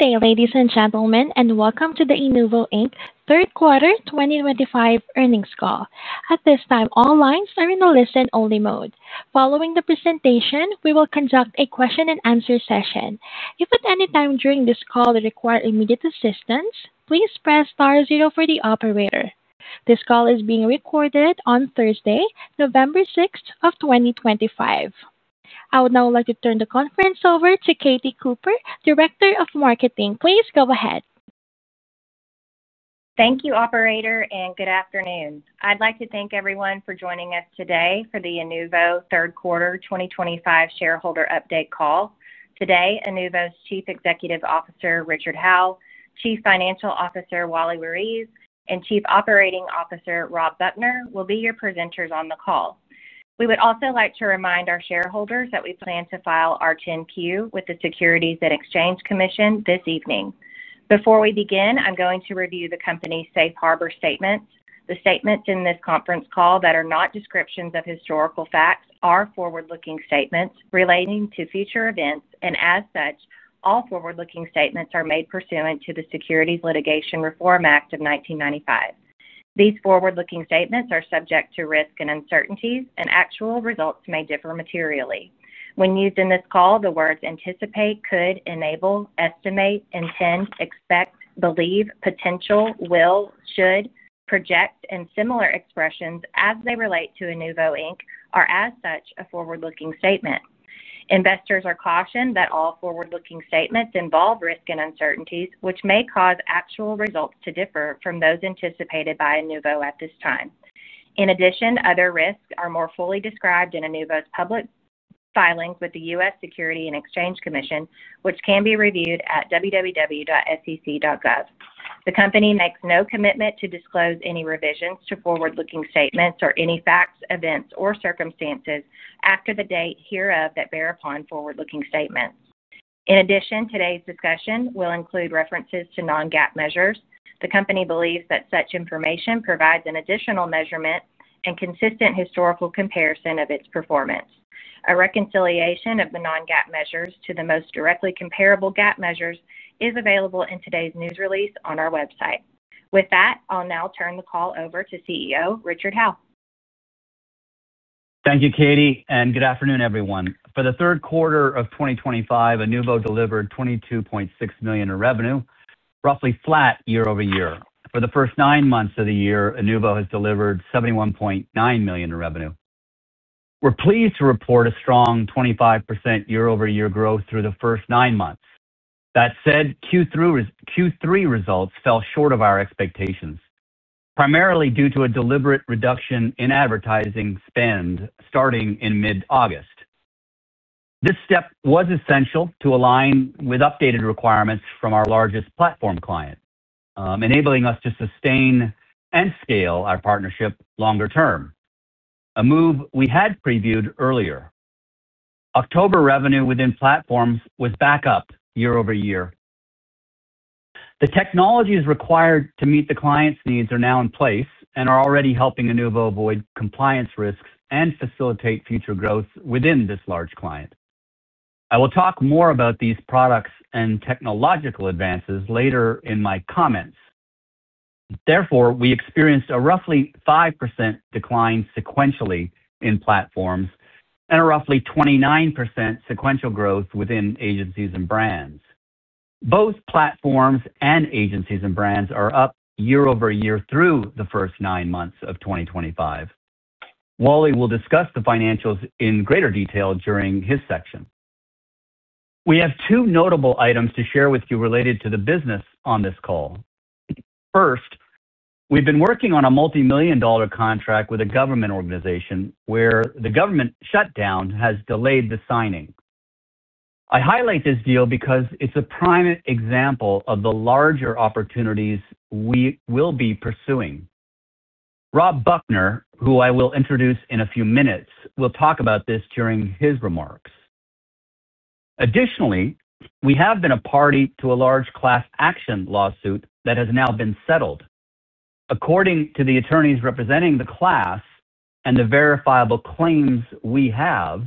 Good day, ladies and gentlemen, and welcome to the Inuvo, Inc Q3 2025 earnings call. At this time, all lines are in a listen-only mode. Following the presentation, we will conduct a question-and-answer session. If at any time during this call you require immediate assistance, please press * for the operator. This call is being recorded on Thursday, November 6, 2025. I would now like to turn the conference over to Katie Cooper, Director of Marketing. Please go ahead. Thank you, Operator, and good afternoon. I'd like to thank everyone for joining us today for the Inuvo Q3 2025 shareholder update call. Today, Inuvo's Chief Executive Officer Richard Howe, Chief Financial Officer Wally Ruiz, and Chief Operating Officer Rob Buchner will be your presenters on the call. We would also like to remind our shareholders that we plan to file our 10-Q with the Securities and Exchange Commission this evening. Before we begin, I'm going to review the company's safe harbor statements. The statements in this conference call that are not descriptions of historical facts are forward-looking statements relating to future events, and as such, all forward-looking statements are made pursuant to the Securities Litigation Reform Act of 1995. These forward-looking statements are subject to risk and uncertainties, and actual results may differ materially. When used in this call, the words anticipate, could, enable, estimate, intend, expect, believe, potential, will, should, project, and similar expressions as they relate to Inuvo are as such a forward-looking statement. Investors are cautioned that all forward-looking statements involve risk and uncertainties, which may cause actual results to differ from those anticipated by Inuvo at this time. In addition, other risks are more fully described in Inuvo's public filings with the U.S. Securities and Exchange Commission, which can be reviewed at www.sec.gov. The company makes no commitment to disclose any revisions to forward-looking statements or any facts, events, or circumstances after the date hereof that bear upon forward-looking statements. In addition, today's discussion will include references to non-GAAP measures. The company believes that such information provides an additional measurement and consistent historical comparison of its performance. A reconciliation of the non-GAAP measures to the most directly comparable GAAP measures is available in today's news release on our website. With that, I'll now turn the call over to CEO Richard Howe. Thank you, Katie, and good afternoon, everyone. For the Q3 of 2025, Inuvo delivered $22.6 million in revenue, roughly flat year-over-year. For the first nine months of the year, Inuvo has delivered $71.9 million in revenue. We're pleased to report a strong 25% year-over-year growth through the first nine months. That said, Q3 results fell short of our expectations, primarily due to a deliberate reduction in advertising spend starting in mid-August. This step was essential to align with updated requirements from our largest platform client, enabling us to sustain and scale our partnership longer-term, a move we had previewed earlier. October revenue within platforms was back up year-over-year. The technologies required to meet the client's needs are now in place and are already helping Inuvo avoid compliance risks and facilitate future growth within this large client. I will talk more about these products and technological advances later in my comments. Therefore, we experienced a roughly 5% decline sequentially in platforms and a roughly 29% sequential growth within agencies and brands. Both platforms and agencies and brands are up year-over-year through the first nine months of 2025. Wally will discuss the financials in greater detail during his section. We have two notable items to share with you related to the business on this call. First, we've been working on a multi-million dollar contract with a government organization where the government shutdown has delayed the signing. I highlight this deal because it's a prime example of the larger opportunities we will be pursuing. Rob Buchner, who I will introduce in a few minutes, will talk about this during his remarks. Additionally, we have been a party to a large class action lawsuit that has now been settled. According to the attorneys representing the class and the verifiable claims we have,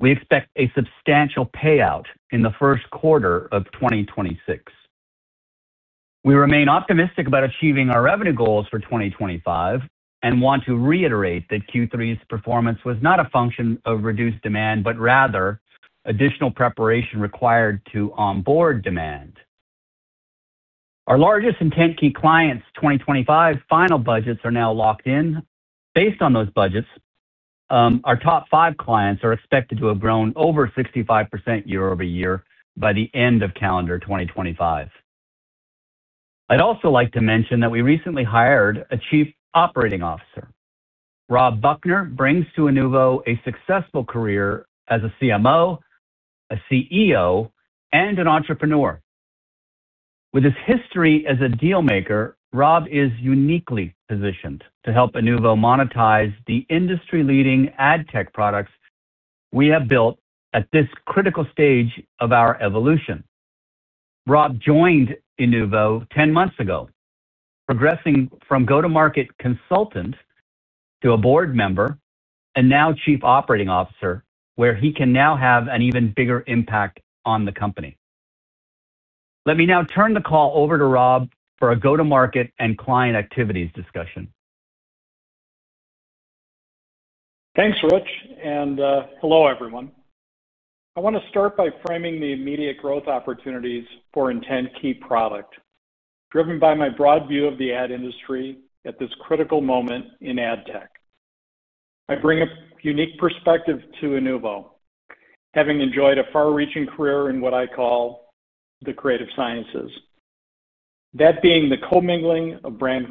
we expect a substantial payout in the first quarter of 2026. We remain optimistic about achieving our revenue goals for 2025 and want to reiterate that Q3's performance was not a function of reduced demand, but rather additional preparation required to onboard demand. Our largest and 10 key clients' 2025 final budgets are now locked in. Based on those budgets, our top five clients are expected to have grown over 65% year-over-year by the end of calendar 2025. I'd also like to mention that we recently hired a Chief Operating Officer. Rob Buchner brings to Inuvo a successful career as a CMO, a CEO, and an entrepreneur. With his history as a dealmaker, Rob is uniquely positioned to help Inuvo monetize the industry-leading ad tech products we have built at this critical stage of our evolution. Rob joined Inuvo 10 months ago, progressing from go-to-market consultant to a board member and now Chief Operating Officer, where he can now have an even bigger impact on the company. Let me now turn the call over to Rob for a go-to-market and client activities discussion. Thanks, Rich. Hello, everyone. I want to start by framing the immediate growth opportunities for IntentKey Product, driven by my broad view of the ad industry at this critical moment in ad tech. I bring a unique perspective to Inuvo, having enjoyed a far-reaching career in what I call the creative sciences. That being the co-mingling of brand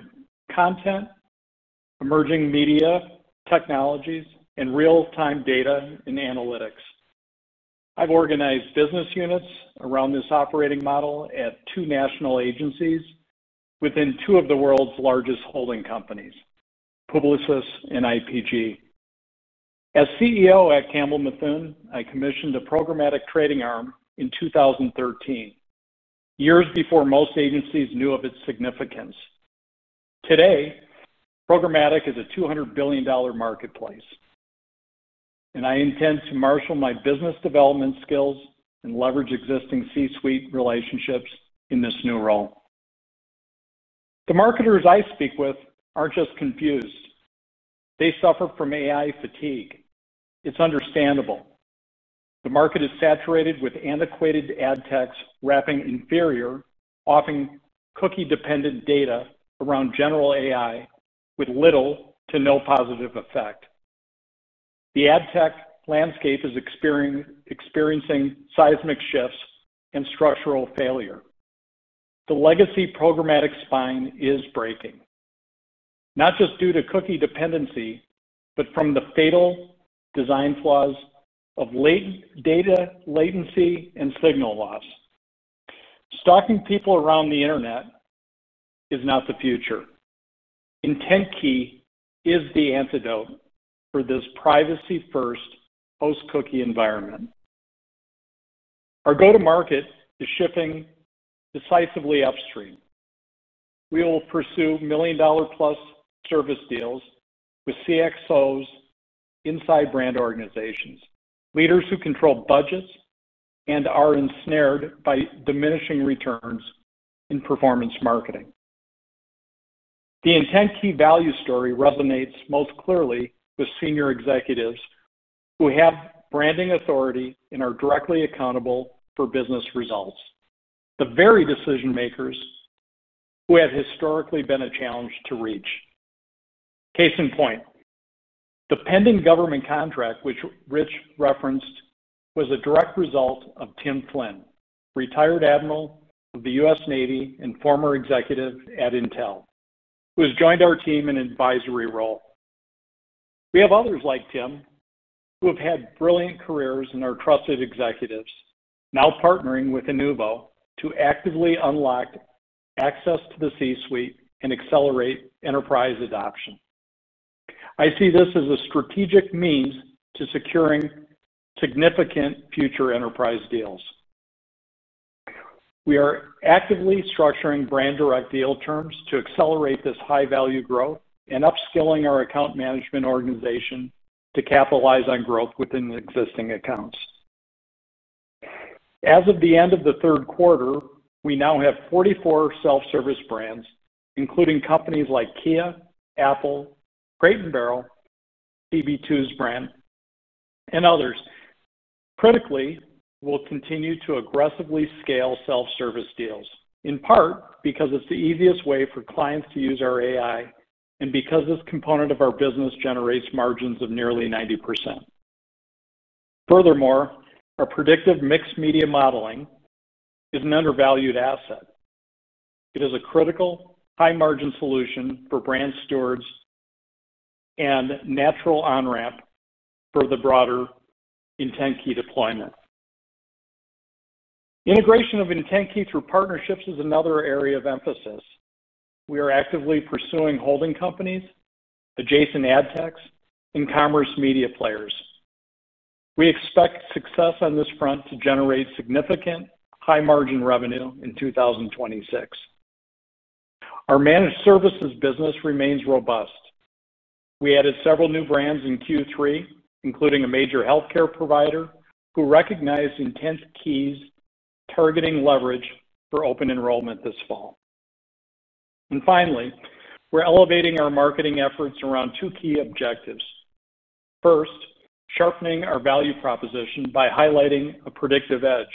content, emerging media technologies, and real-time data and analytics. I've organized business units around this operating model at two national agencies within two of the world's largest holding companies, Publicis and IPG. As CEO at Campbell Mithun, I commissioned a programmatic trading arm in 2013, years before most agencies knew of its significance. Today, programmatic is a $200 billion marketplace. I intend to marshal my business development skills and leverage existing C-suite relationships in this new role. The marketers I speak with aren't just confused. They suffer from AI fatigue. It's understandable. The market is saturated with antiquated ad techs wrapping inferior, often cookie-dependent data around general AI with little to no positive effect. The ad tech landscape is experiencing seismic shifts and structural failure. The legacy programmatic spine is breaking, not just due to cookie dependency, but from the fatal design flaws of latency and signal loss. Stalking people around the internet is not the future. IntentKey is the antidote for this privacy-first post-cookie environment. Our go-to-market is shipping decisively upstream. We will pursue million-dollar-plus service deals with CXOs inside brand organizations, leaders who control budgets and are ensnared by diminishing returns in performance marketing. The IntentKey value story resonates most clearly with senior executives who have branding authority and are directly accountable for business results, the very decision-makers who have historically been a challenge to reach. Case in point. The pending government contract, which Rich referenced, was a direct result of Tim Flynn, retired admiral of the U.S. Navy and former executive at Intel, who has joined our team in an advisory role. We have others like Tim who have had brilliant careers and are trusted executives, now partnering with Inuvo to actively unlock access to the C-suite and accelerate enterprise adoption. I see this as a strategic means to securing significant future enterprise deals. We are actively structuring brand direct deal terms to accelerate this high-value growth and upskilling our account management organization to capitalize on growth within existing accounts. As of the end of the Q3, we now have 44 self-service brands, including companies like Kia, Apple, Crate & Barrel, CB2's brand, and others. Critically, we'll continue to aggressively scale self-service deals, in part because it's the easiest way for clients to use our AI and because this component of our business generates margins of nearly 90%. Furthermore, our predictive media mix modeling is an undervalued asset. It is a critical, high-margin solution for brand stewards. A natural on-ramp for the broader IntentKey deployment. Integration of IntentKey through partnerships is another area of emphasis. We are actively pursuing holding companies, adjacent ad techs, and commerce media players. We expect success on this front to generate significant high-margin revenue in 2026. Our managed services business remains robust. We added several new brands in Q3, including a major healthcare provider who recognized IntentKey's targeting leverage for open enrollment this fall. Finally, we're elevating our marketing efforts around two key objectives. First, sharpening our value proposition by highlighting a predictive edge.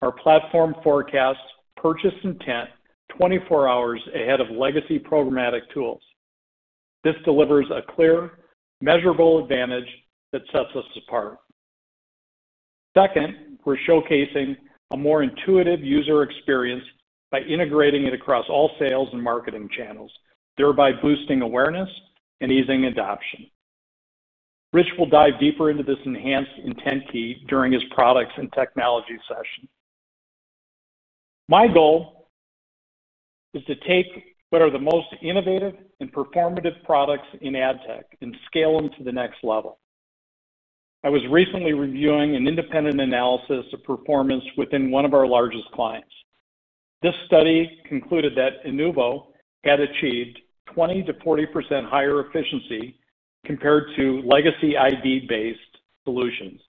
Our platform forecasts purchase intent 24 hours ahead of legacy programmatic tools. This delivers a clear, measurable advantage that sets us apart. Second, we're showcasing a more intuitive user experience by integrating it across all sales and marketing channels, thereby boosting awareness and easing adoption. Rich will dive deeper into this enhanced IntentKey during his products and technology session. My goal is to take what are the most innovative and performative products in ad tech and scale them to the next level. I was recently reviewing an independent analysis of performance within one of our largest clients. This study concluded that Inuvo had achieved 20-40% higher efficiency compared to legacy ID-based solutions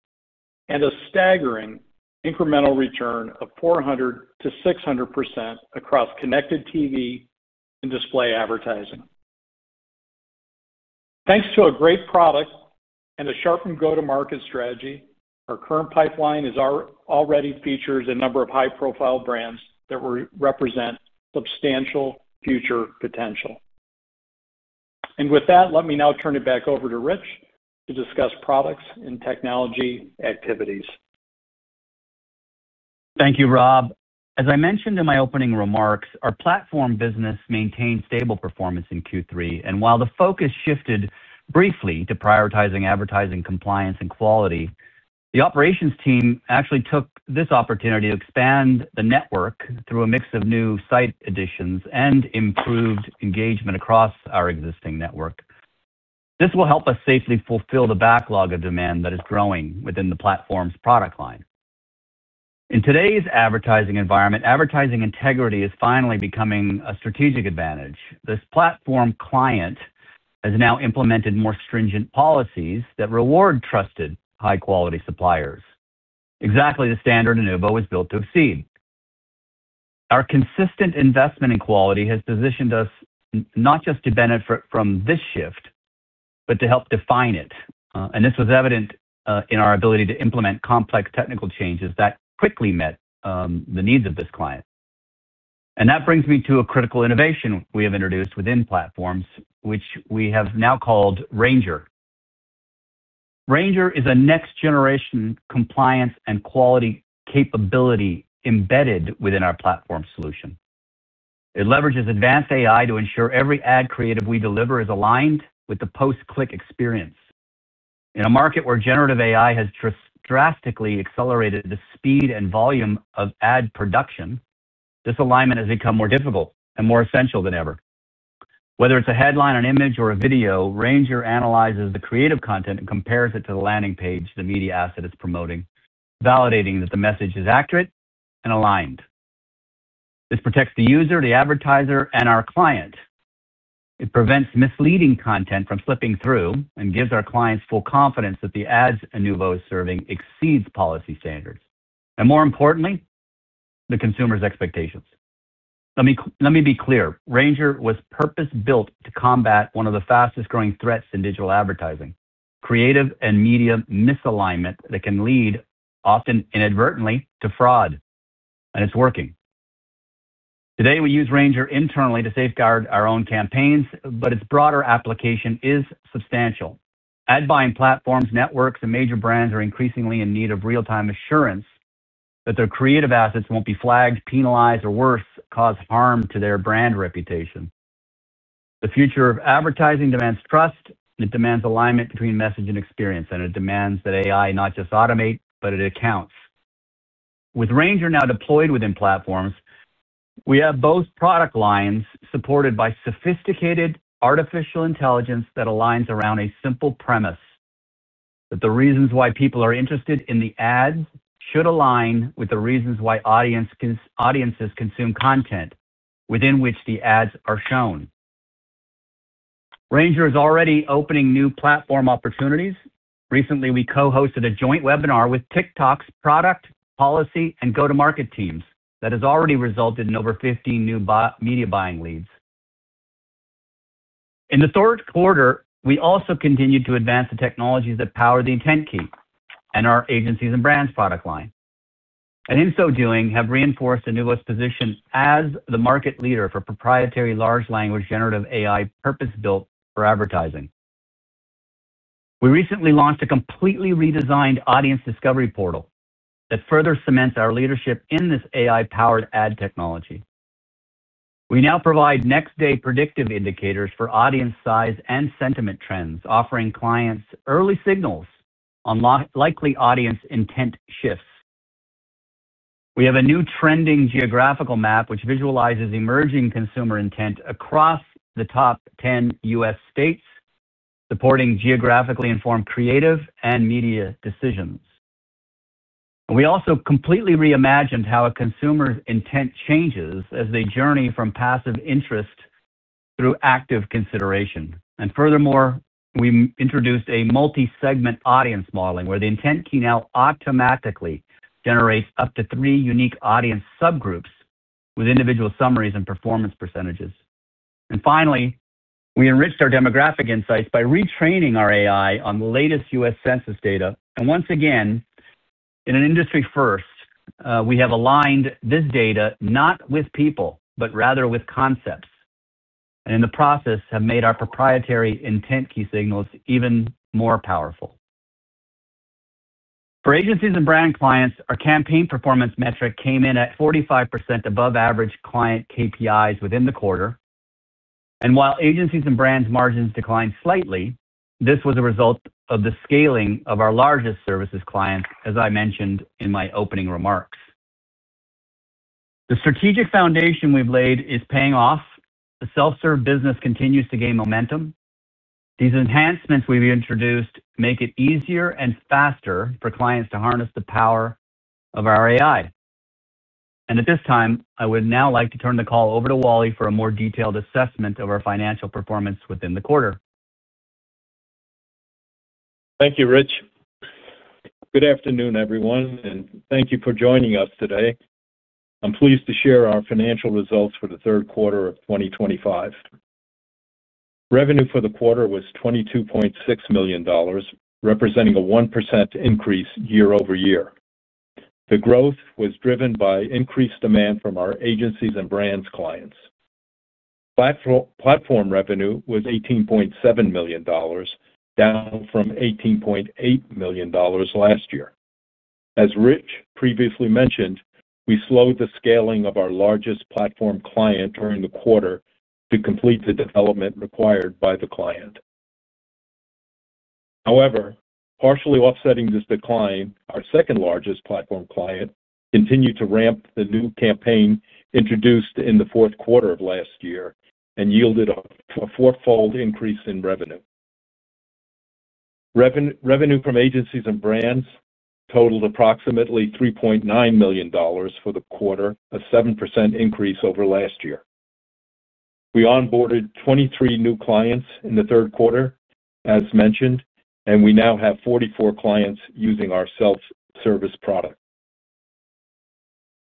and a staggering incremental return of 400-600% across connected TV and display advertising. Thanks to a great product and a sharpened go-to-market strategy, our current pipeline already features a number of high-profile brands that represent substantial future potential. With that, let me now turn it back over to Rich to discuss products and technology activities. Thank you, Rob. As I mentioned in my opening remarks, our platform business maintained stable performance in Q3. While the focus shifted briefly to prioritizing advertising compliance and quality, the operations team actually took this opportunity to expand the network through a mix of new site additions and improved engagement across our existing network. This will help us safely fulfill the backlog of demand that is growing within the platform's product line. In today's advertising environment, advertising integrity is finally becoming a strategic advantage. This platform client has now implemented more stringent policies that reward trusted high-quality suppliers, exactly the standard Inuvo was built to exceed. Our consistent investment in quality has positioned us not just to benefit from this shift, but to help define it. This was evident in our ability to implement complex technical changes that quickly met the needs of this client. That brings me to a critical innovation we have introduced within platforms, which we have now called Ranger. Ranger is a next-generation compliance and quality capability embedded within our platform solution. It leverages advanced AI to ensure every ad creative we deliver is aligned with the post-click experience. In a market where generative AI has drastically accelerated the speed and volume of ad production, this alignment has become more difficult and more essential than ever. Whether it's a headline, an image, or a video, Ranger analyzes the creative content and compares it to the landing page, the media asset it's promoting, validating that the message is accurate and aligned. This protects the user, the advertiser, and our client. It prevents misleading content from slipping through and gives our clients full confidence that the ads Inuvo is serving exceed policy standards. More importantly, the consumer's expectations. Let me be clear. Ranger was purpose-built to combat one of the fastest-growing threats in digital advertising: creative and media misalignment that can lead, often inadvertently, to fraud. It is working. Today, we use Ranger internally to safeguard our own campaigns, but its broader application is substantial. Ad buying platforms, networks, and major brands are increasingly in need of real-time assurance that their creative assets will not be flagged, penalized, or worse, cause harm to their brand reputation. The future of advertising demands trust, and it demands alignment between message and experience, and it demands that AI not just automate, but it accounts. With Ranger now deployed within platforms, we have both product lines supported by sophisticated artificial intelligence that aligns around a simple premise. That the reasons why people are interested in the ads should align with the reasons why audiences consume content within which the ads are shown. Ranger is already opening new platform opportunities. Recently, we co-hosted a joint webinar with TikTok's product, policy, and go-to-market teams that has already resulted in over 15 new media buying leads. In the Q3, we also continued to advance the technologies that power the IntentKey and our agencies and brands product line. In so doing, we have reinforced Inuvo's position as the market leader for proprietary large language generative AI purpose-built for advertising. We recently launched a completely redesigned audience discovery portal that further cements our leadership in this AI-powered ad technology. We now provide next-day predictive indicators for audience size and sentiment trends, offering clients early signals on likely audience intent shifts. We have a new trending geographical map which visualizes emerging consumer intent across the top 10 U.S. states, supporting geographically informed creative and media decisions. We also completely reimagined how a consumer's intent changes as they journey from passive interest through active consideration. Furthermore, we introduced a multi-segment audience modeling where the IntentKey now automatically generates up to three unique audience subgroups with individual summaries and performance percentages. Finally, we enriched our demographic insights by retraining our AI on the latest U.S. Census data. Once again, in an industry first, we have aligned this data not with people, but rather with concepts. In the process, we have made our proprietary IntentKey signals even more powerful. For agencies and brand clients, our campaign performance metric came in at 45% above average client KPIs within the Q3. While agencies and brands' margins declined slightly, this was a result of the scaling of our largest services clients, as I mentioned in my opening remarks. The strategic foundation we've laid is paying off. The self-serve business continues to gain momentum. These enhancements we've introduced make it easier and faster for clients to harness the power of our AI. At this time, I would now like to turn the call over to Wally for a more detailed assessment of our financial performance within the Q3. Thank you, Rich. Good afternoon, everyone. Thank you for joining us today. I'm pleased to share our financial results for the Q3 of 2025. Revenue for the Q3 was $22.6 million, representing a 1% increase year over year. The growth was driven by increased demand from our agencies and brands clients. Platform revenue was $18.7 million, down from $18.8 million last year. As Rich previously mentioned, we slowed the scaling of our largest platform client during the Q3 to complete the development required by the client. However, partially offsetting this decline, our second-largest platform client continued to ramp the new campaign introduced in the Q4 of last year and yielded a four-fold increase in revenue. Revenue from agencies and brands totaled approximately $3.9 million for the Q3, a 7% increase over last year. We onboarded 23 new clients in the Q3, as mentioned, and we now have 44 clients using our self-service product.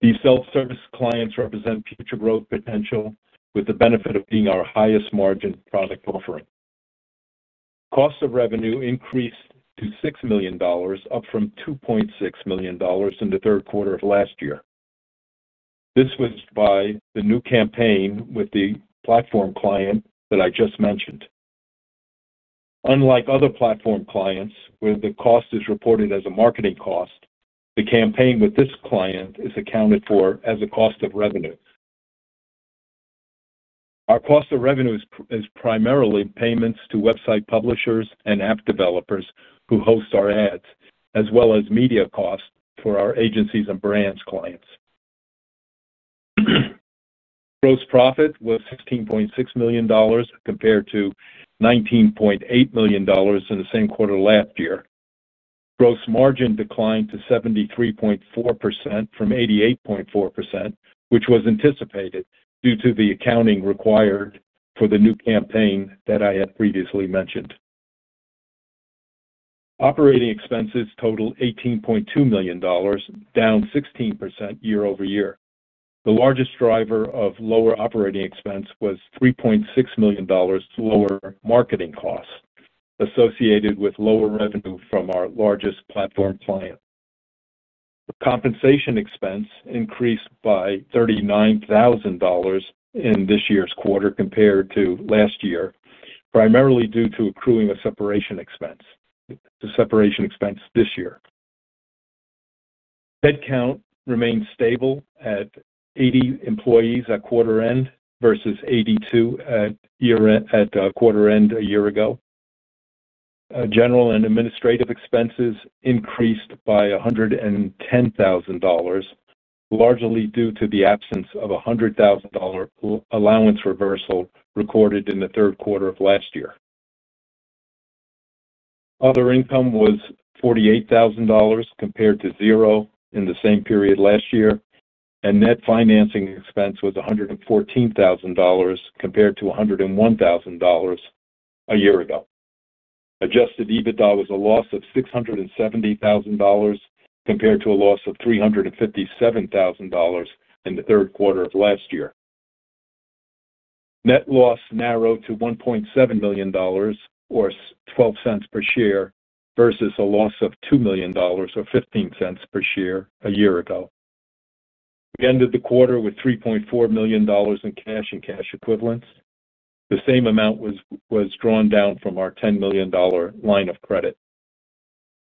These self-service clients represent future growth potential with the benefit of being our highest-margin product offering. Cost of revenue increased to $6 million, up from $2.6 million in the Q3 of last year. This was by the new campaign with the platform client that I just mentioned. Unlike other platform clients, where the cost is reported as a marketing cost, the campaign with this client is accounted for as a cost of revenue. Our cost of revenue is primarily payments to website publishers and app developers who host our ads, as well as media costs for our agencies and brands clients. Gross profit was $16.6 million compared to $19.8 million in the same Q3 last year. Gross margin declined to 73.4% from 88.4%, which was anticipated due to the accounting required for the new campaign that I had previously mentioned. Operating expenses totaled $18.2 million, down 16% year over year. The largest driver of lower operating expense was $3.6 million lower marketing costs associated with lower revenue from our largest platform client. Compensation expense increased by $39,000 in this year's Q3 compared to last year, primarily due to accruing a separation expense. The separation expense this year. Headcount remained stable at 80 employees at Q3 versus 82 at Q3 a year ago. General and administrative expenses increased by $110,000, largely due to the absence of a $100,000 allowance reversal recorded in the Q3 of last year. Other income was $48,000 compared to zero in the same period last year. Net financing expense was $114,000 compared to $101,000 a year ago. Adjusted EBITDA was a loss of $670,000 compared to a loss of $357,000 in the Q3 of last year. Net loss narrowed to $1.7 million, or $0.12 per share, versus a loss of $2 million, or $0.15 per share a year ago. We ended the Q3 with $3.4 million in cash and cash equivalents. The same amount was drawn down from our $10 million line of credit.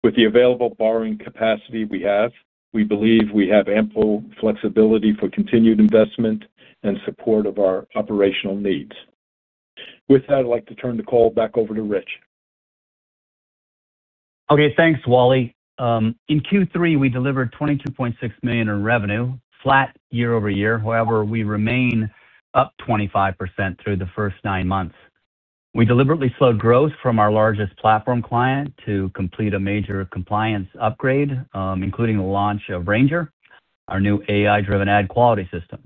With the available borrowing capacity we have, we believe we have ample flexibility for continued investment and support of our operational needs. With that, I'd like to turn the call back over to Rich. Okay. Thanks, Wally. In Q3, we delivered $22.6 million in revenue, flat year over year. However, we remain up 25% through the first nine months. We deliberately slowed growth from our largest platform client to complete a major compliance upgrade, including the launch of Ranger, our new AI-driven ad quality system.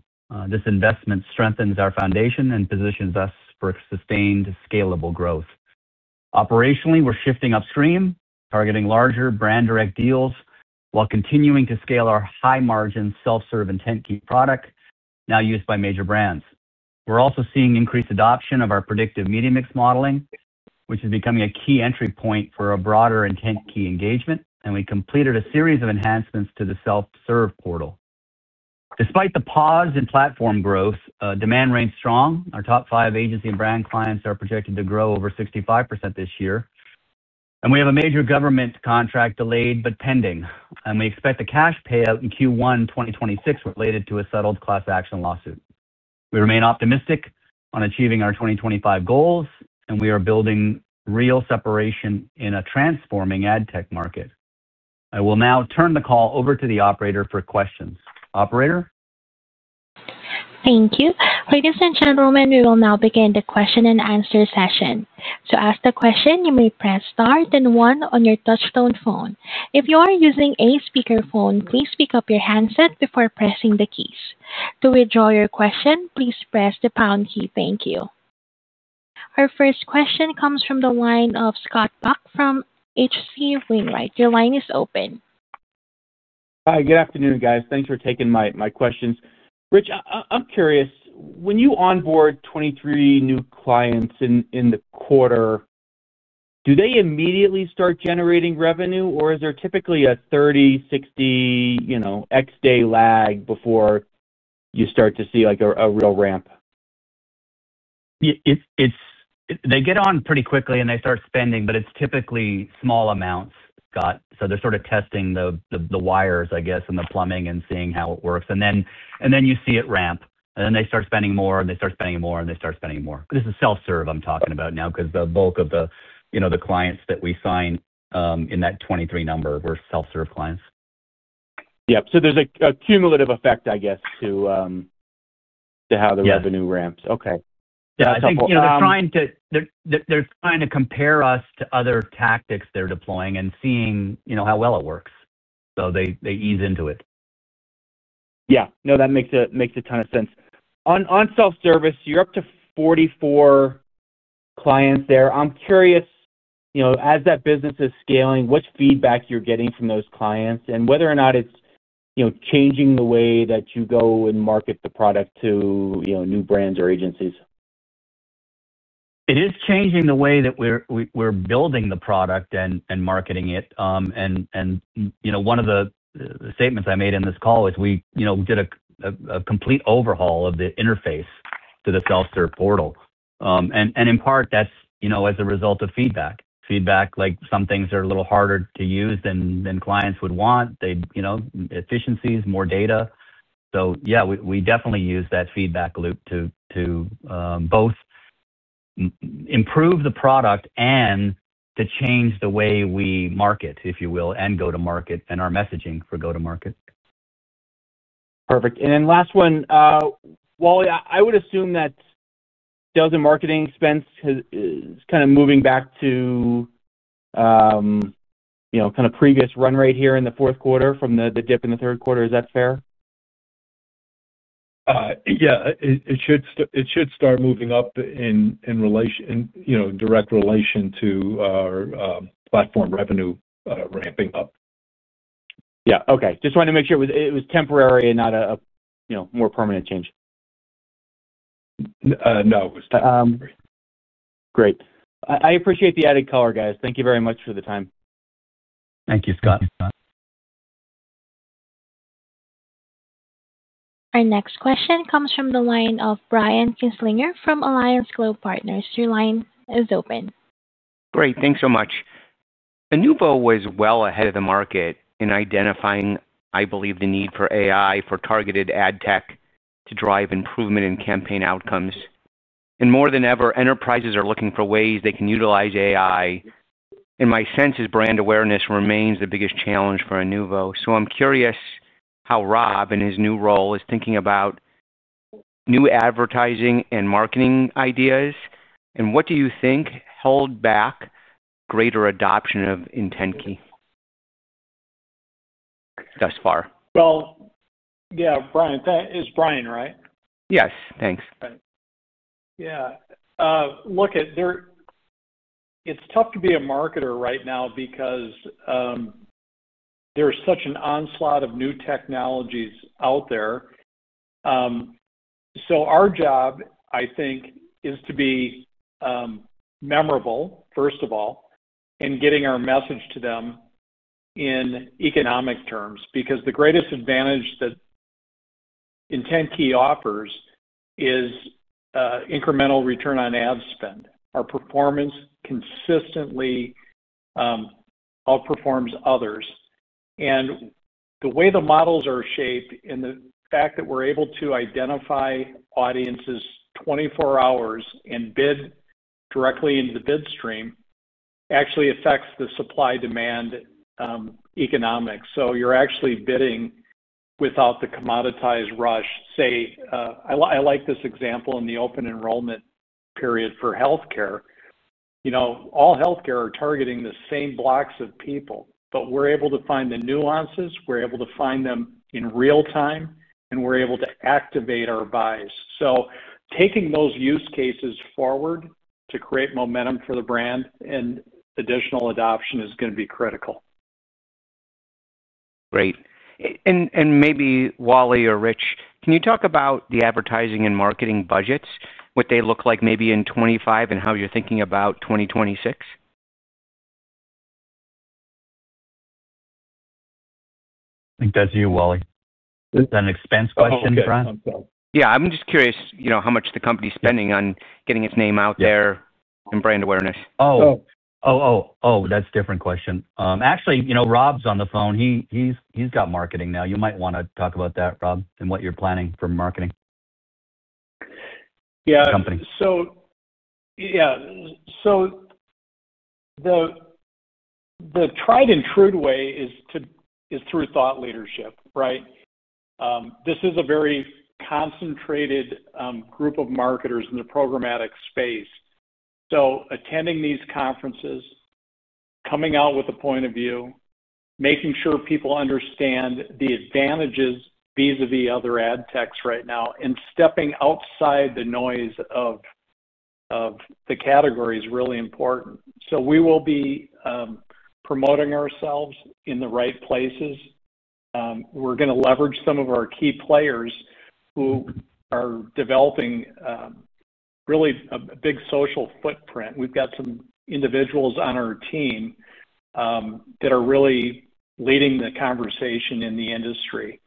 This investment strengthens our foundation and positions us for sustained, scalable growth. Operationally, we're shifting upstream, targeting larger brand-direct deals while continuing to scale our high-margin self-serve IntentKey product now used by major brands. We're also seeing increased adoption of our predictive media mix modeling, which is becoming a key entry point for a broader IntentKey engagement. We completed a series of enhancements to the self-serve portal. Despite the pause in platform growth, demand remains strong. Our top five agency and brand clients are projected to grow over 65% this year. We have a major government contract delayed but pending. We expect a cash payout in Q1 2026 related to a settled class action lawsuit. We remain optimistic on achieving our 2025 goals, and we are building real separation in a transforming ad tech market. I will now turn the call over to the operator for questions. Operator. Thank you. Ladies and gentlemen, we will now begin the question-and-answer session. To ask the question, you may press star and 1 on your touch-tone phone. If you are using a speakerphone, please pick up your handset before pressing the keys. To withdraw your question, please press the pound key. Thank you. Our first question comes from the line of Scott Buck from H.C. Wainwright. Your line is open. Hi. Good afternoon, guys. Thanks for taking my questions. Rich, I'm curious. When you onboard 23 new clients in the Q3, do they immediately start generating revenue, or is there typically a 30, 60, X-day lag before you start to see a real ramp? They get on pretty quickly, and they start spending, but it's typically small amounts, Scott. They are sort of testing the wires, I guess, and the plumbing and seeing how it works. You see it ramp. They start spending more, and they start spending more, and they start spending more. This is self-serve, I am talking about now because the bulk of the clients that we sign in that 23 number were self-serve clients. Yeah. So there's a cumulative effect, I guess, to how the revenue ramps. Okay. Yeah. They're trying to compare us to other tactics they're deploying and seeing how well it works. They ease into it. Yeah. No, that makes a ton of sense. On self-service, you're up to 44 clients there. I'm curious. As that business is scaling, what feedback you're getting from those clients and whether or not it's changing the way that you go and market the product to new brands or agencies. It is changing the way that we're building the product and marketing it. One of the statements I made in this call is we did a complete overhaul of the interface to the self-serve portal. In part, that's as a result of feedback. Feedback, like some things are a little harder to use than clients would want. Efficiencies, more data. Yeah, we definitely use that feedback loop to both improve the product and to change the way we market, if you will, and go to market and our messaging for go to market. Perfect. Last one. Wally, I would assume that sales and marketing expense is kind of moving back to kind of previous run rate here in the Q4 from the dip in the Q3. Is that fair? Yeah. It should start moving up in direct relation to our platform revenue ramping up. Yeah. Okay. Just wanted to make sure it was temporary and not a more permanent change. No. It was temporary. Great. I appreciate the added color, guys. Thank you very much for the time. Thank you, Scott. Our next question comes from the line of Brian Kinstlinger from Alliance Global Partners. Your line is open. Great. Thanks so much. Inuvo was well ahead of the market in identifying, I believe, the need for AI for targeted ad tech to drive improvement in campaign outcomes. More than ever, enterprises are looking for ways they can utilize AI. My sense is brand awareness remains the biggest challenge for Inuvo. I am curious how Rob, in his new role, is thinking about new advertising and marketing ideas. What do you think held back the greater adoption of IntentKey thus far? Yeah. Brian, it's Brian, right? Yes. Thanks. Yeah. Look at. It's tough to be a marketer right now because there's such an onslaught of new technologies out there. Our job, I think, is to be memorable, first of all, and getting our message to them in economic terms because the greatest advantage that IntentKey offers is incremental return on ad spend. Our performance consistently outperforms others. The way the models are shaped and the fact that we're able to identify audiences 24 hours and bid directly into the bid stream actually affects the supply-demand economics. You're actually bidding without the commoditized rush. I like this example: in the open enrollment period for healthcare, all healthcare are targeting the same blocks of people, but we're able to find the nuances. We're able to find them in real time, and we're able to activate our buys. Taking those use cases forward to create momentum for the brand and additional adoption is going to be critical. Great. Maybe, Wally or Rich, can you talk about the advertising and marketing budgets, what they look like maybe in 2025 and how you're thinking about 2026? I think that's you, Wally. Is that an expense question, Brian? Yeah. I'm just curious how much the company's spending on getting its name out there and brand awareness. Oh. Oh, oh, that's a different question. Actually, Rob's on the phone. He's got marketing now. You might want to talk about that, Rob, and what you're planning for marketing. Yeah. So the tried and true way is through thought leadership, right? This is a very concentrated group of marketers in the programmatic space. Attending these conferences, coming out with a point of view, making sure people understand the advantages vis-à-vis other ad techs right now, and stepping outside the noise of the category is really important. We will be promoting ourselves in the right places. We're going to leverage some of our key players who are developing really a big social footprint. We've got some individuals on our team that are really leading the conversation in the industry.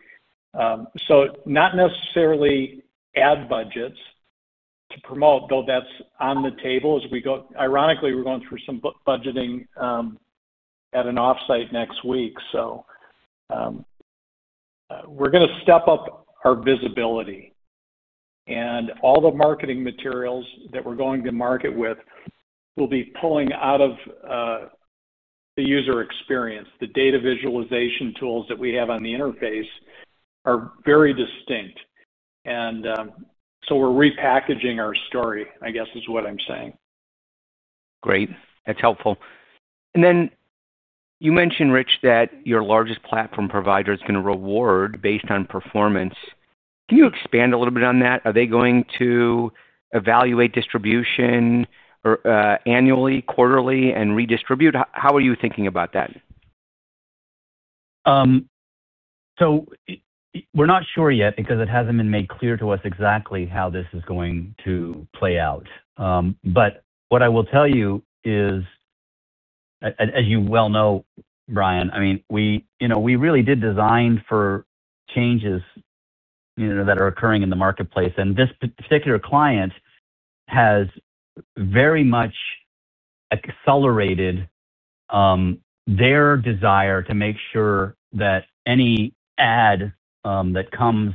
Not necessarily ad budgets to promote, though that's on the table as we go. Ironically, we're going through some budgeting at an offsite next week. We're going to step up our visibility and all the marketing materials that we're going to market with. Will be pulling out of the user experience. The data visualization tools that we have on the interface are very distinct. And so we're repackaging our story, I guess, is what I'm saying. Great. That's helpful. You mentioned, Rich, that your largest platform provider is going to reward based on performance. Can you expand a little bit on that? Are they going to evaluate distribution annually, quarterly, and redistribute? How are you thinking about that? We're not sure yet because it hasn't been made clear to us exactly how this is going to play out. What I will tell you is, as you well know, Brian, I mean, we really did design for changes that are occurring in the marketplace. This particular client has very much accelerated their desire to make sure that any ad that comes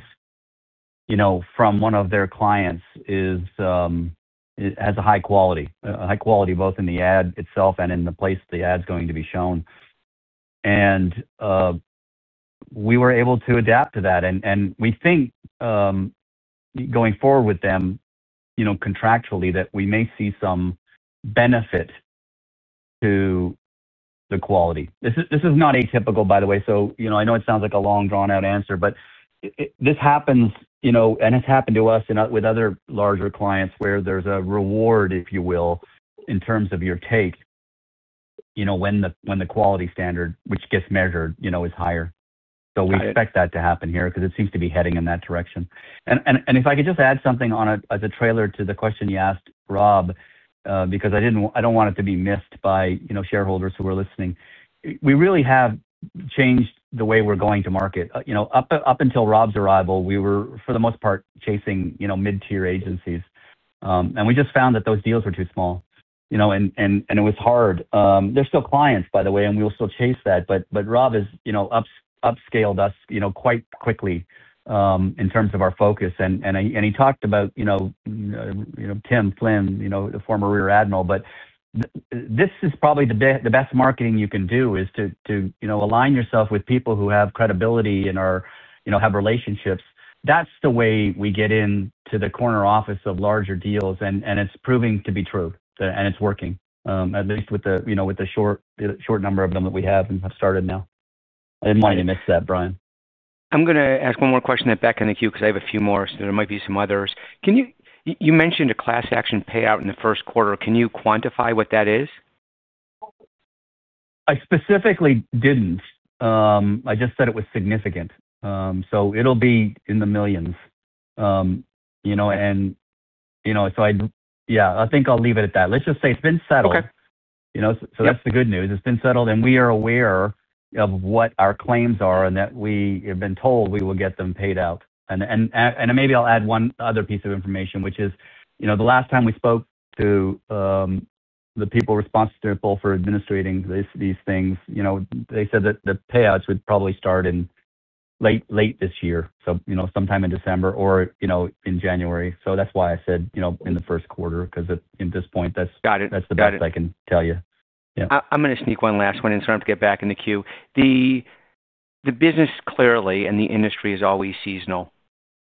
from one of their clients has a high quality, both in the ad itself and in the place the ad's going to be shown. We were able to adapt to that, and we think going forward with them. Contractually, that we may see some benefit. To the quality. This is not atypical, by the way. I know it sounds like a long, drawn-out answer, but this happens. It has happened to us with other larger clients where there's a reward, if you will, in terms of your take. When the quality standard, which gets measured, is higher. We expect that to happen here because it seems to be heading in that direction. If I could just add something as a trailer to the question you asked, Rob, because I don't want it to be missed by shareholders who are listening. We really have changed the way we're going to market. Up until Rob's arrival, we were, for the most part, chasing mid-tier agencies. We just found that those deals were too small. It was hard. are still clients, by the way, and we'll still chase that. Rob has upscaled us quite quickly in terms of our focus, and he talked about Tim Flynn, the former rear admiral. This is probably the best marketing you can do, to align yourself with people who have credibility and have relationships. That is the way we get into the corner office of larger deals. It is proving to be true, and it is working, at least with the short number of them that we have and have started now. I did not want you to miss that, Brian. I'm going to ask one more question back in the queue because I have a few more. There might be some others. You mentioned a class-action payout in the first quarter. Can you quantify what that is? I specifically didn't. I just said it was significant. It'll be in the millions. I think I'll leave it at that. Let's just say it's been settled. That's the good news. It's been settled. We are aware of what our claims are and that we have been told we will get them paid out. Maybe I'll add one other piece of information, which is the last time we spoke to the people responsible for administrating these things, they said that the payouts would probably start in late this year, so sometime in December or in January. That's why I said in the first quarter because at this point, that's the best I can tell you. Got it. I'm going to sneak one last one in so I don't have to get back in the queue. The business clearly and the industry is always seasonal.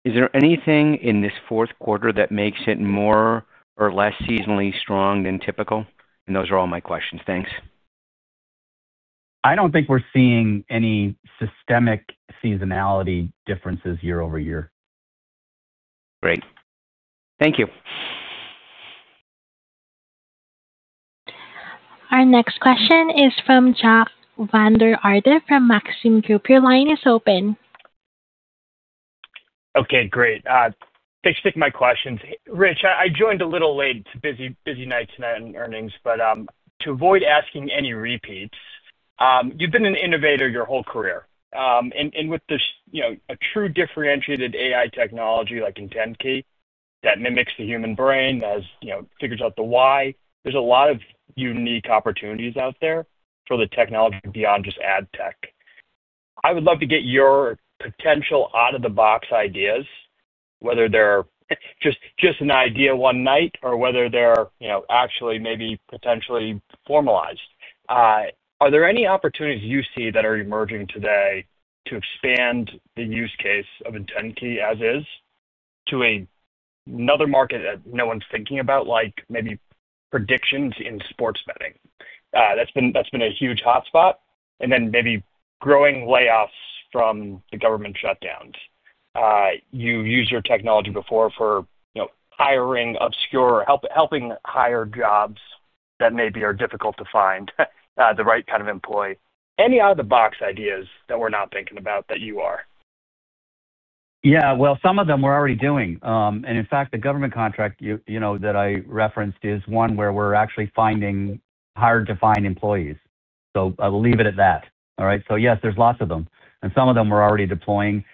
Is there anything in this fourth quarter that makes it more or less seasonally strong than typical? And those are all my questions. Thanks. I don't think we're seeing any systemic seasonality differences year over year. Great. Thank you. Our next question is from Jack Vander Aarde from Maxim Group. Your line is open. Okay. Great. Thanks for taking my questions. Rich, I joined a little late. It's a busy night tonight on earnings. To avoid asking any repeats, you've been an innovator your whole career. With a true differentiated AI technology like IntentKey that mimics the human brain, that figures out the why, there's a lot of unique opportunities out there for the technology beyond just ad tech. I would love to get your potential out-of-the-box ideas, whether they're just an idea one night or whether they're actually maybe potentially formalized. Are there any opportunities you see that are emerging today to expand the use case of IntentKey as is to another market that no one's thinking about, like maybe predictions in sports betting? That's been a huge hotspot. Maybe growing layoffs from the government shutdowns. You used your technology before for. Hiring obscure or helping hire jobs that maybe are difficult to find the right kind of employee. Any out-of-the-box ideas that we're not thinking about that you are? Yeah. Some of them we're already doing. In fact, the government contract that I referenced is one where we're actually hiring to find employees. I will leave it at that. All right? Yes, there's lots of them. Some of them we're already deploying.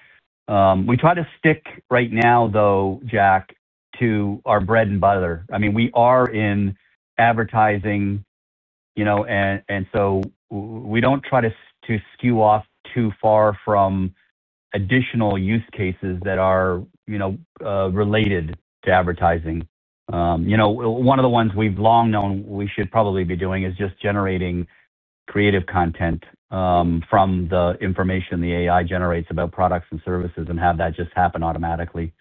We try to stick right now, though, Jack, to our bread and butter. I mean, we are in advertising. We don't try to skew off too far from additional use cases that are related to advertising. One of the ones we've long known we should probably be doing is just generating creative content from the information the AI generates about products and services and have that just happen automatically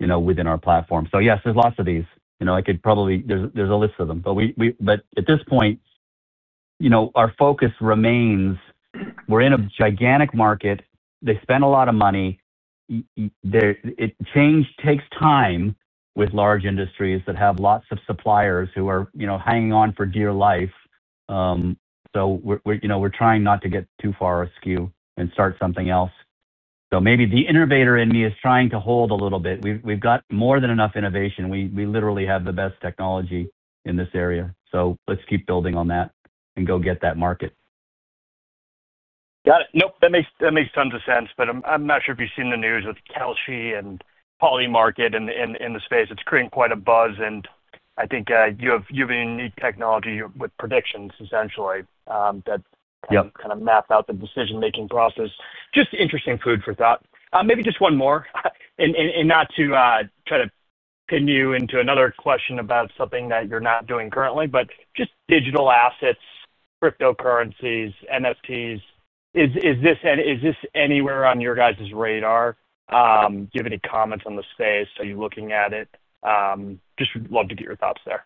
within our platform. Yes, there's lots of these. I could probably—there's a list of them. At this point, our focus remains. We're in a gigantic market. They spend a lot of money. Change takes time with large industries that have lots of suppliers who are hanging on for dear life. We're trying not to get too far askew and start something else. Maybe the innovator in me is trying to hold a little bit. We've got more than enough innovation. We literally have the best technology in this area. Let's keep building on that and go get that market. Got it. Nope. That makes tons of sense. I'm not sure if you've seen the news with Kelce and Polymarket in the space. It's creating quite a buzz. I think you have a unique technology with predictions, essentially, that kind of map out the decision-making process. Just interesting food for thought. Maybe just one more. Not to try to pin you into another question about something that you're not doing currently, but just digital assets, cryptocurrencies, NFTs. Is this anywhere on your guys' radar? Do you have any comments on the space? Are you looking at it? Just would love to get your thoughts there.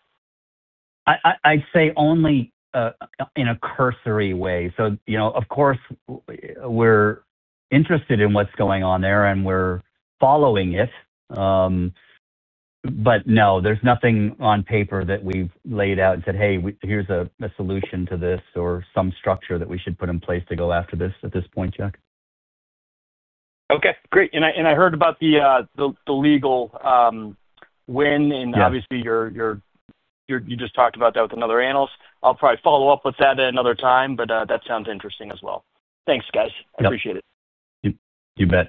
I'd say only in a cursory way. Of course, we're interested in what's going on there, and we're following it. No, there's nothing on paper that we've laid out and said, "Hey, here's a solution to this," or some structure that we should put in place to go after this at this point, Jack. Okay. Great. I heard about the legal win. Obviously, you just talked about that with another analyst. I'll probably follow up with that at another time, but that sounds interesting as well. Thanks, guys. I appreciate it. You bet.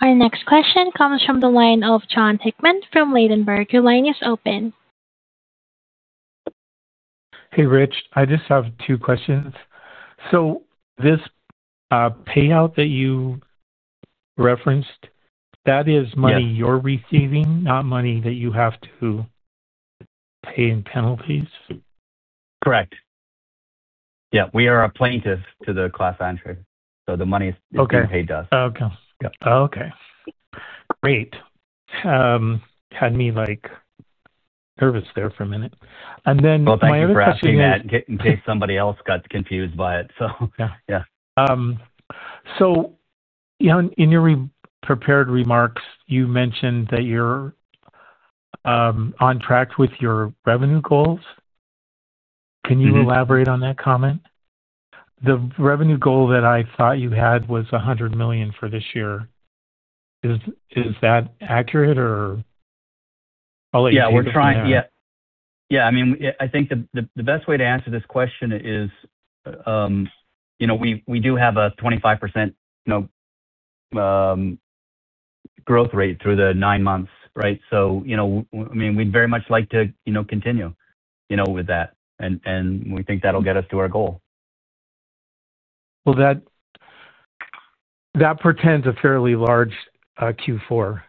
Our next question comes from the line of Jon Hickman from Ladenburg. Your line is open. Hey, Rich. I just have two questions. This payout that you referenced, that is money you're receiving, not money that you have to pay in penalties? Correct. Yeah. We are a plaintiff to the class action. So the money is being paid to us. Okay. Okay. Great. Had me nervous there for a minute. And then my other question— Thank you for asking that in case somebody else got confused by it. So yeah. In your prepared remarks, you mentioned that you're on track with your revenue goals. Can you elaborate on that comment? The revenue goal that I thought you had was $100 million for this year. Is that accurate, or? Yeah. We're trying—yeah. Yeah. I mean, I think the best way to answer this question is, we do have a 25% growth rate through the nine months, right? I mean, we'd very much like to continue with that, and we think that'll get us to our goal. That portends a fairly large Q4.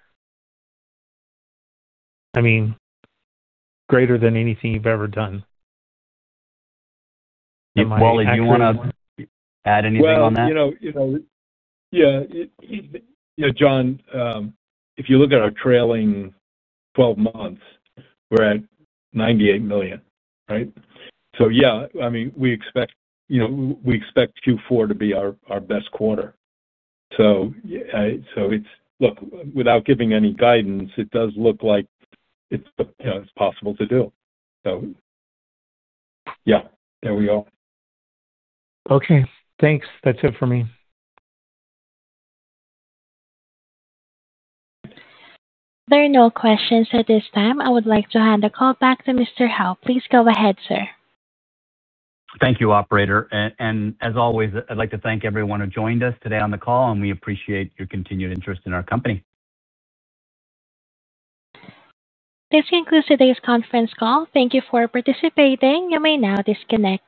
I mean, greater than anything you've ever done. Do you want to add anything on that? Yeah. Jon, if you look at our trailing 12 months, we're at $98 million, right? Yeah, I mean, we expect Q4 to be our best quarter. Look, without giving any guidance, it does look like it's possible to do. Yeah, there we go. Okay. Thanks. That's it for me. There are no questions at this time. I would like to hand the call back to Mr. Howe. Please go ahead, sir. Thank you, operator. As always, I'd like to thank everyone who joined us today on the call, and we appreciate your continued interest in our company. This concludes today's conference call. Thank you for participating. You may now disconnect.